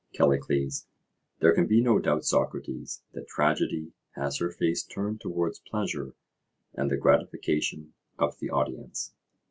CALLICLES: There can be no doubt, Socrates, that Tragedy has her face turned towards pleasure and the gratification of the audience.